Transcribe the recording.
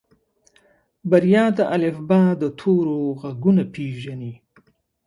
بريا د الفبا د تورو غږونه پېژني.